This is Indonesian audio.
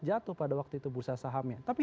jatuh pada waktu itu bursa sahamnya tapi